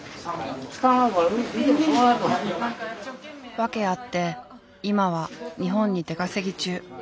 訳あって今は日本に出稼ぎ中。